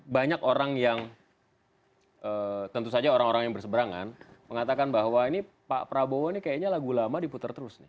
banyak orang yang tentu saja orang orang yang berseberangan mengatakan bahwa ini pak prabowo ini kayaknya lagu lama diputer terus nih